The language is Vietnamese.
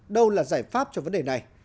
đâu là giải pháp cho vấn đề này